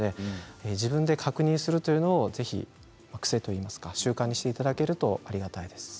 自分で確認するというのをぜひ習慣にしていただけるとありがたいです。